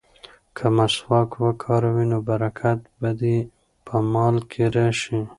که مسواک وکاروې نو برکت به دې په مال کې راشي.